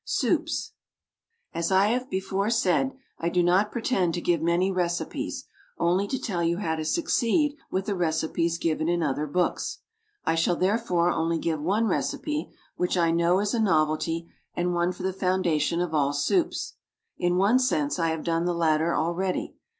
SOUPS. As I have before said, I do not pretend to give many recipes, only to tell you how to succeed with the recipes given in other books. I shall, therefore, only give one recipe which I know is a novelty and one for the foundation of all soups. In one sense I have done the latter already.